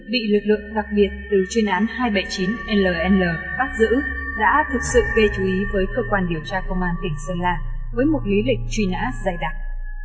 bị lực lượng đặc biệt từ chuyên án hai trăm bảy mươi chín ll bắt giữ đã thực sự gây chú ý với cơ quan điều tra công an tỉnh sơn la với một lý lịch truy nã dày đặc